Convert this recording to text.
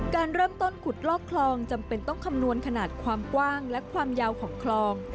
การเริ่มต้นขุดลอกคลองจำเป็นต้องคำนวณขนาดความกว้างและความยาวของคลอง